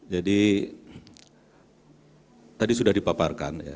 jadi tadi sudah dipaparkan